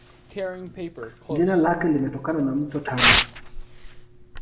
Jina lake limetokana na Mto Tana.